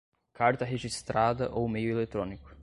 carta registrada ou meio eletrônico